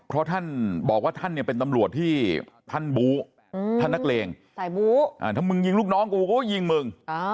เพราะท่านบอกว่าท่านเนี่ยเป็นตำรวจที่ท่านบูท่านนักเลงสายบูถ้ามึงยิงลูกน้องกูก็ยิงมึง